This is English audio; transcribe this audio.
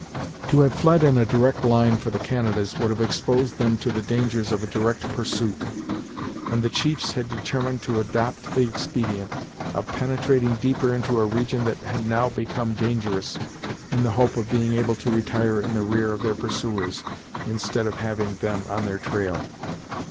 To have fled in a direct line for the Canadas would have exposed them to the dangers of a direct pursuit, and the chiefs had determined to adopt the expedient of penetrating deeper into a region that had now become dangerous, in the hope of being able to retire in the rear of their pursuers, instead of having them on their trail.